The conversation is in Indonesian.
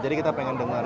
jadi kita pengen dengerin